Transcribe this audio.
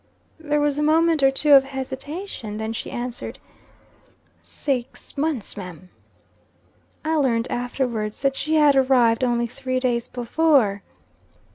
There was a moment or two of hesitation. Then she answered: "Sax months, mum." I learned afterwards that she had arrived only three days before.